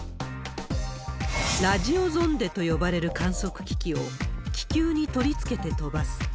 ラジオゾンデと呼ばれる観測機器を、気球に取り付けて飛ばす。